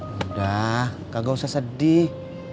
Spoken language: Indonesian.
udah kagak usah sedih